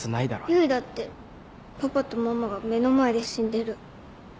唯だってパパとママが目の前で死んでる。